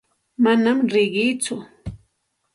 Manam riqiitsu.